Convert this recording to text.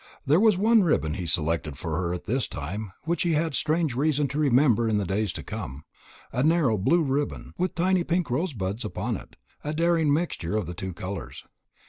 There was one ribbon he selected for her at this time which he had strange reason to remember in the days to come a narrow blue ribbon, with tiny pink rosebuds upon it, a daring mixture of the two colours.